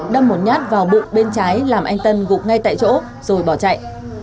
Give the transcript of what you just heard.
đâm một nhát vào bụng bên trái làm anh tân gục ngay tại chỗ rồi bỏ chạy